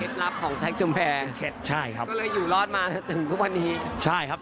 เข็ดลับของใช่ครับก็เลยอยู่รอดมาถึงทุกวันนี้ใช่ครับ